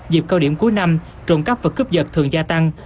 dịp cao điểm cuối năm trộm cắp và cướp giật thường gia tăng